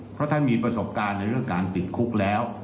เพราะท่านมีประสบการณ์ในเรื่องการติดคุกแล้ว